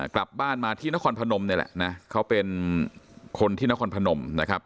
กลับบ้านมาที่นครพนมนี่แหละนะเขาเป็นคนที่นครพนมนะครับ